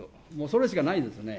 それしかないですね。